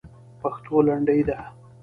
پښتو لنډۍ ده.